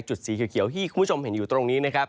จุดสีเขียวที่คุณผู้ชมเห็นอยู่ตรงนี้